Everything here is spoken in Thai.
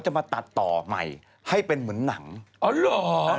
ให้เป็นเหมือนหนัง